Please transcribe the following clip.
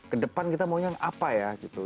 kedepan kita maunya apa ya gitu